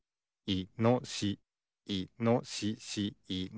いのしし。